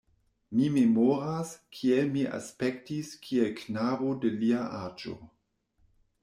Mi memoras, kiel mi aspektis kiel knabo de lia aĝo.